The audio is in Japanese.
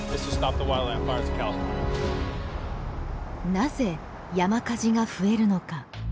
なぜ山火事が増えるのか。